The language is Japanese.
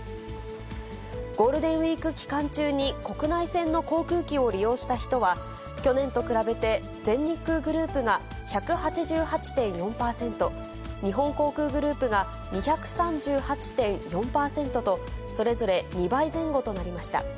ゴールデンウィーク期間中に国内線の航空機を利用した人は、去年と比べて全日空グループが１８８．４％、日本航空グループが２３８．４％と、それぞれ２倍前後となりました。